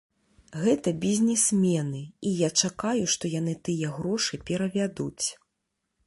Гэта бізнесмены, і я чакаю, што яны тыя грошы перавядуць.